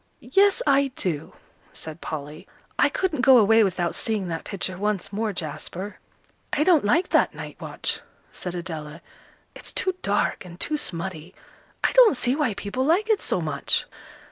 "Yes, I do," said Polly. "I couldn't go away without seeing that picture once more, Jasper." "I don't like that 'Night Watch,'" said Adela, "it's too dark and too smutty. I don't see why people like it so much."